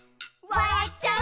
「わらっちゃう」